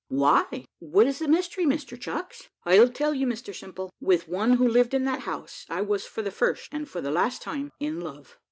"Why, what is the mystery, Mr Chucks?" "I'll tell you, Mr Simple. With one who lived in that house, I was for the first, and for the last time, in love."